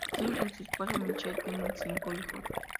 Schmidt y su esposa Michelle tienen cinco hijos.